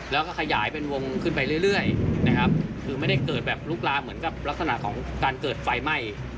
แล้วก็ขยายเป็นวงขึ้นไปเรื่อยนะครับคือไม่ได้เกิดแบบลุกลามเหมือนกับลักษณะของการเกิดไฟไหม้